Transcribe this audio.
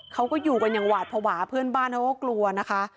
เขาก็อยู่กันอย่างหวาดภาวะเพื่อนบ้านเขาก็กลัวนะคะ